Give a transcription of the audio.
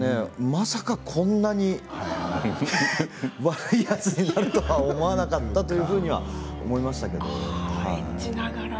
まさかこんなに悪いやつになるとは思わなかったというのは演じながら。